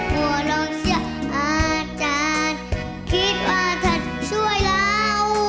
หัวลองเชื่ออาจารย์คิดว่าจะช่วยเรา